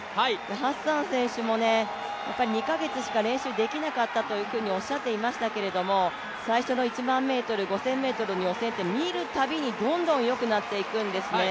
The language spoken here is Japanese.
ハッサン選手も２カ月しか練習できなかったとおっしゃっていましたけども最初の１００００ｍ、５０００ｍ、見るたびにどんどんよくなっていくんですね、